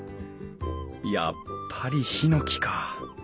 やっぱりヒノキか。